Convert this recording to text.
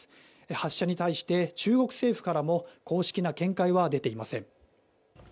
発射に対して中国政府からも公式の見解は出ていません。